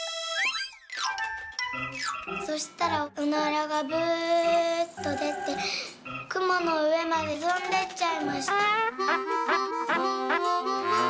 「そしたらおならが『ブーッ』とでてくものうえまでとんでっちゃいました」。